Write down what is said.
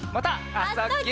「あ・そ・ぎゅ」